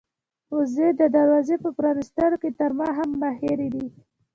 وزې د دروازې په پرانيستلو کې تر ما هم ماهرې دي.